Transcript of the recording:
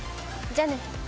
じゃあね。